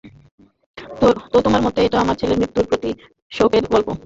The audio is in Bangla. তো তোমার মতে এটা আমার ছেলের মৃত্যুর প্রতিশোধের গল্প?